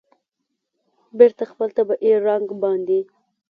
بېرته خپل طبیعي رنګ باندې